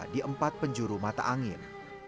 di empat penjuru mata angin